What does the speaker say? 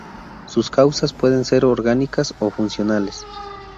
Sus causas pueden ser orgánicas o funcionales.